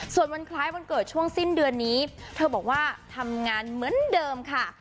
ส่วนวันคล้ายวันเกิดช่วงสิ้นเดือนนี้เธอบอกว่าทำงานเหมือนเดิมค่ะ